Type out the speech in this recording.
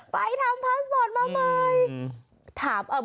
ไปทำพาสบอร์ดมาใหม่